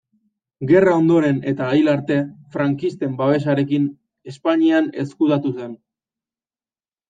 Gerra ondoren eta hil arte, frankisten babesarekin, Espainian ezkutatu zen.